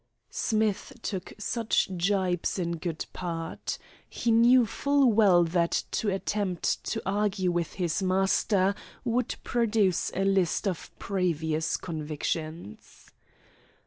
Smith took such jibes in good part. He knew full well that to attempt to argue with his master would produce a list of previous convictions.